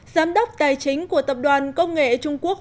giám đốc tài chính của tập đoàn công nghệ trung quốc